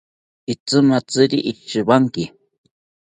Itzimatziri ishiwanki